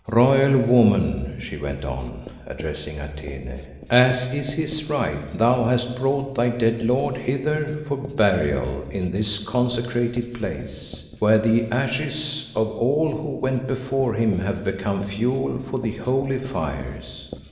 "Royal woman," she went on, addressing Atene, "as is his right, thou hast brought thy dead lord hither for burial in this consecrated place, where the ashes of all who went before him have become fuel for the holy fires.